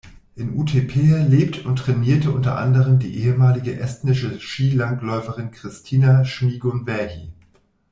In Otepää lebt und trainierte unter anderem die ehemalige estnische Skilangläuferin Kristina Šmigun-Vähi.